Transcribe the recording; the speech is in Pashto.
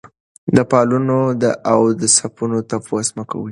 د پلونو د اوسپنو تپوس مه کوئ.